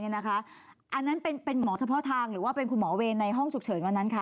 อันนั้นเป็นหมอเฉพาะทางหรือว่าเป็นคุณหมอเวรในห้องฉุกเฉินวันนั้นคะ